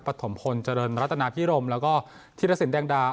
ปฐมพลเจริญรัตนาพิรมแล้วก็ธิรสินแดงดา